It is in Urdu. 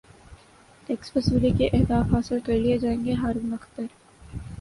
ٹیکس وصولی کے اہداف حاصل کرلئے جائیں گے ہارون اختر